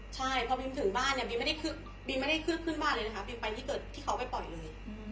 ใช่พอบิมถึงบ้านบิมไม่ได้ขึ้นบ้านเลยบิมไปที่เขาไปปล่อยเลย